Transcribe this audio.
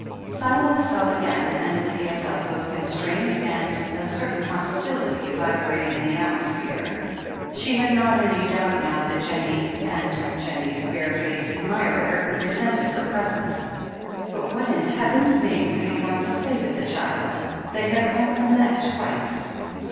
Silence fell again and Lydia felt both constraint and a certain hostility vibrating in the atmosphere. She had not any doubt now that Jennie, and Jennie's barefaced admirer, resented her presence. But what in Heaven's name could he want to say to the child — ^they had only met twice